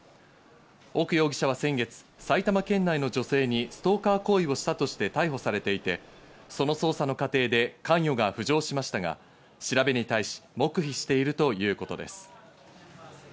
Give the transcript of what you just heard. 奥容疑者は先月、埼玉県内の女性にストーカー行為をしたとして逮捕されていて、その捜査の過程で関与が浮上しましたが、調べに対し黙秘しているということです。